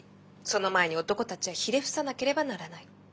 その前に男たちはひれ伏さなければならない。